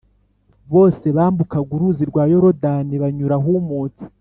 bose bambukaga Uruzi rwa Yorodani banyura ahumutse